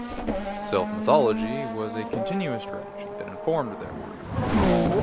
Self-mythology was a continuous strategy that informed their work.